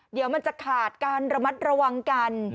เดี๋ยวมันจะขาดการระมัดระวังกัน